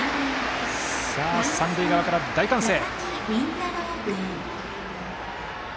三塁側から大歓声。